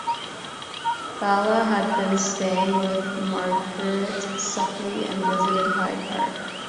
Fala had been staying with Margaret Suckley and visited Hyde Park.